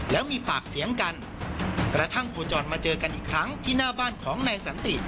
แล้วมีปากเสียงกันกระทั่งโคจรมาเจอกันอีกครั้งที่หน้าบ้านของนายสันติ